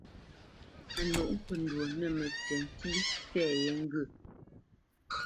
A nûʼ ŋkəndwô nə̂ mətsiʼ ntî fɛ̌ yé ŋgyə̂.